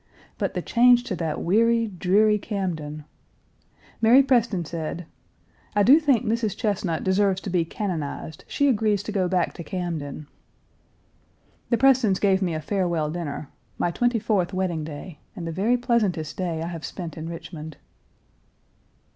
But the change to that weary, dreary Camden! Mary Preston said: "I do think Mrs. Chesnut deserves to be canonized; she agrees to go back to Camden." The Prestons gave me a farewell dinner; my twenty fourth wedding day, and the very pleasantest day I have spent in Richmond.